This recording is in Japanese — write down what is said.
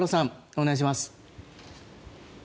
お願いします。